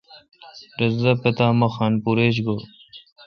رس دا پتا می خان پور ایچ گو۔